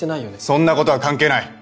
そんな事は関係ない！